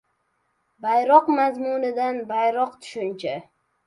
Bayroq – mazmunan boyroq tushuncha